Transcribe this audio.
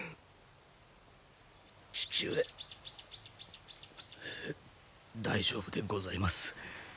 父上大丈夫でございます。